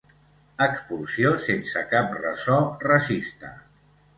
Expulsió sense cap ressò racista.